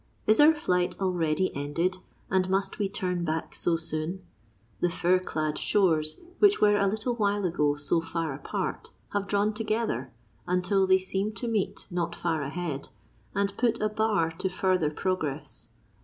Is our flight already ended; and must we turn back so soon? The fir clad shores, which were a little while ago so far apart, have drawn together, until they seem to meet not far ahead, and put a bar to further progress.